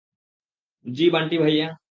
জি, বান্টি-ভাইয়া।